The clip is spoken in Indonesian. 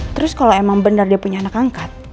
terus kalau emang benar dia punya anak angkat